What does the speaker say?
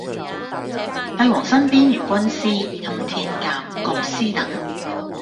帝王身邊如軍師、欽天監、國師等